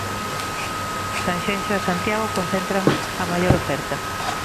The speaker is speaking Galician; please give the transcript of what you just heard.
Sanxenxo e Santiago concentran a maior oferta.